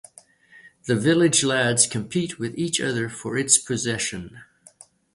The village lads compete with each other for its possession.